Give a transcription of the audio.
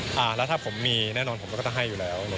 อ่าแล้วถ้าผมมีแน่นอนผมก็ต้องให้อยู่แล้ว